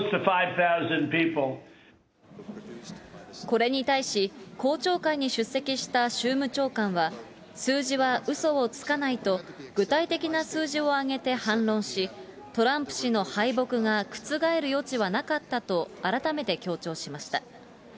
これに対し、公聴会に出席した州務長官は、数字はうそをつかないと、具体的な数字を挙げて反論し、トランプ氏の敗北が覆る余地はなかったと、改めて強調しました。